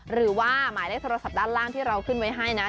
หรือว่าหมายเลขโทรศัพท์ด้านล่างที่เราขึ้นไว้ให้นะ